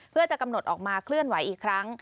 เพื่อจะกำหนดออกมาเคลื่อนไหวอีกครั้ง